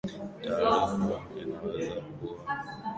Taarifa hii inaweza kuwa yenye thamani sana katika kuwasaidia watu